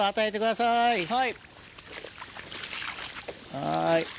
はい。